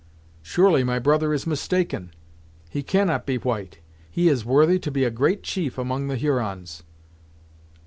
"Surely my brother is mistaken. He cannot be white! He is worthy to be a great chief among the Hurons!"